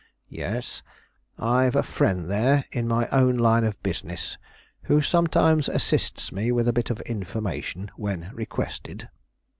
"Yes; I've a friend there in my own line of business, who sometimes assists me with a bit of information, when requested."